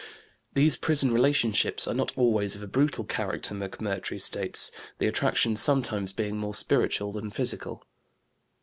These prison relationships are not always of a brutal character, McMurtrie states, the attraction sometimes being more spiritual than physical.